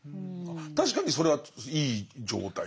確かにそれはいい状態。